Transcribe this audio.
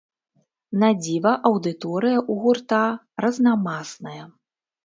Надзіва, аўдыторыя ў гурта разнамасная.